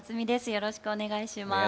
よろしくお願いします。